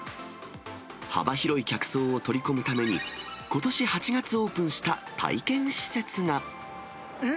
幅広い客層を取り込むために、ことし８月オープンした体験施設が。え？